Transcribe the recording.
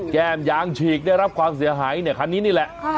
แก้มยางฉีกได้รับความเสียหายเนี่ยคันนี้นี่แหละ